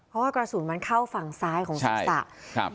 เพราะกระสูญมันเข้าฝั่งซ้ายของศักดิ์ศรัทธิ์